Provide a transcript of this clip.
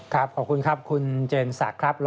ขอบคุณครับคุณเจนศักดิ์ครับ